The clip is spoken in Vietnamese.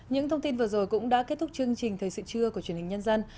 những thông tin vừa rồi cũng đã kết thúc chương trình thời sự trưa của truyền hình nhân dân